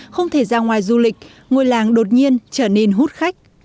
không thể ra ngoài du lịch ngôi làng đột nhiên trở nên hút khách